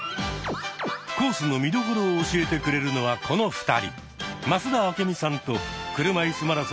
コースの見どころを教えてくれるのはこの２人。